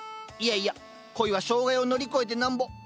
いやいや恋は障害を乗り越えてなんぼ。